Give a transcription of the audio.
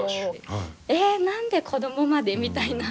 え何で子供までみたいな。